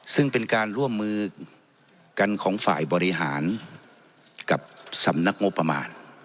ซึ่งเป็นการร่วมมือกันของฝ่ายบริหารกับสำนักงบประมาณ